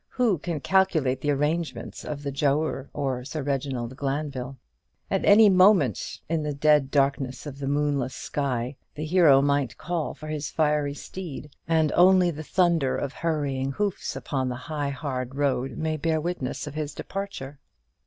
Who can calculate the arrangements of the Giaour or Sir Reginald Glanville? At any moment, in the dead darkness of the moonless night, the hero may call for his fiery steed, and only the thunder of hurrying hoofs upon the hard high road may bear witness of his departure.